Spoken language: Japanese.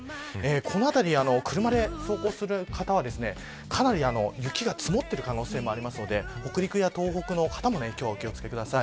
この辺り車で走行する方はかなり雪が積もってる可能性がありますので北陸や東北の方も今日はお気を付けください。